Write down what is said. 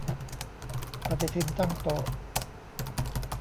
ปฏิทินตั้งโต๊ะ